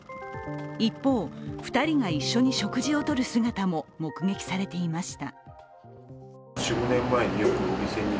一方、２人が一緒に食事をとる姿も目撃されていました。